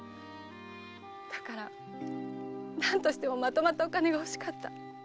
だから何としてもまとまったお金が欲しかった！